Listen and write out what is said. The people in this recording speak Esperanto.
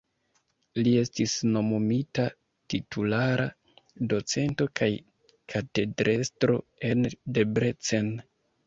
Li estis nomumita titulara docento kaj katedrestro en Debrecen.